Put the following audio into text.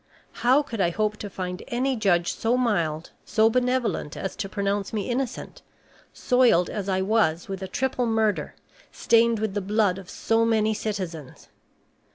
How could I hope to find any judge so mild, so benevolent as to pronounce me innocent, soiled as I was with a triple murder, stained with the blood of so many citizens?